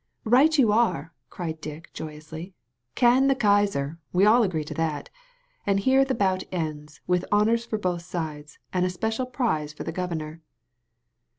"Right you are!" cried Dick joyously. "Can the Kaiser! We all agree to that. And here the bout ends, with honors for both sides, and a special prize for the Governor."